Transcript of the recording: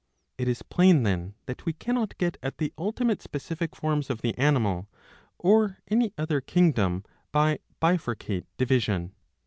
It is plain then that we cannot get at the ultimate specific forms of the animal, or any other, kingdom by bifurcate division.